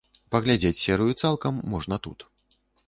Паглядзець серыю цалкам можна тут.